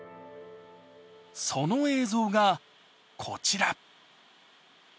その映像がこちら。